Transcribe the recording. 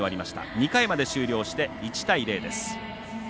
２回まで終了して１対０です。